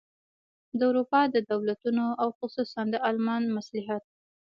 د اروپا د دولتونو او خصوصاً د المان مصلحت.